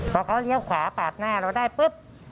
พอเขาเลี้ยวขวาปาดหน้าเราได้ปุ๊บ